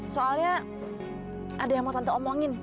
soalnya ada yang mau tante omongin